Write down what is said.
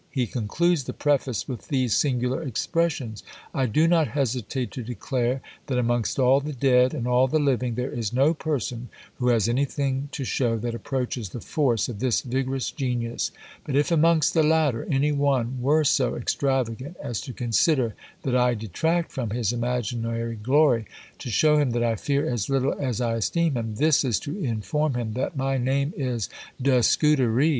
He concludes the preface with these singular expressions "I do not hesitate to declare, that, amongst all the dead, and all the living, there is no person who has anything to show that approaches the force of this vigorous genius; but if amongst the latter, any one were so extravagant as to consider that I detract from his imaginary glory, to show him that I fear as little as I esteem him, this is to inform him that my name is "DE SCUDERY."